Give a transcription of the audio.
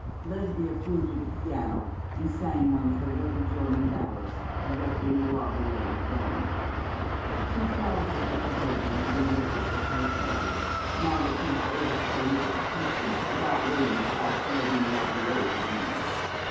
Lesbia flew to the piano and sang one of her little German ballads directly Maulevrier was gone. She felt as if a burden had been lifted from her soul, now that she was able to pay Mr. Smithson without waiting to ask Lady Maulevrier for the money.